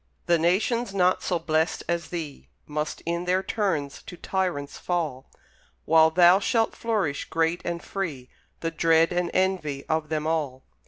The nations, not so blest as thee, Must in their turns to tyrants fall, While thou shalt flourish great and free The dread and envy of them all.